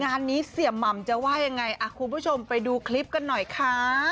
งานนี้เสียหม่ำจะว่ายังไงคุณผู้ชมไปดูคลิปกันหน่อยค่ะ